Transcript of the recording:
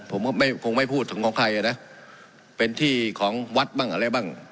ผมก็ไม่คงไม่พูดถึงของใครอ่ะนะเป็นที่ของวัดบ้างอะไรบ้าง